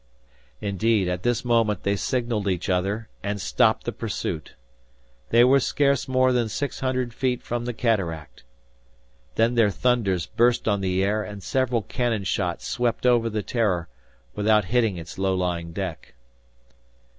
Indeed, at this moment they signaled each other, and stopped the pursuit. They were scarce more than six hundred feet from the cataract. Then their thunders burst on the air and several cannon shot swept over the "Terror" without hitting its low lying deck.